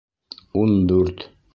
Ун дүрт